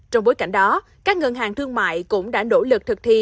trong bối cảnh đó các ngân hàng thương mại cũng đã nỗ lực thực thi